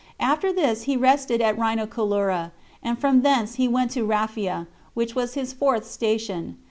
After this he rested at Rhinocolura, and from thence he went to Raphia, which was his fourth station.